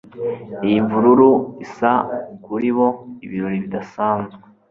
Iyi mvururu isa kuri bo ibirori bidasanzwe